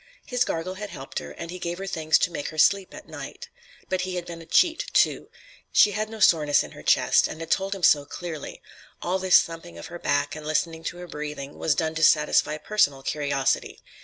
His gargle had helped her, and he gave her things to make her sleep at night. But he had been a cheat, too. He had exceeded his rights. She had no soreness in her chest, and had told him so clearly. All this thumping of her back, and listening to her breathing, was done to satisfy personal curiosity.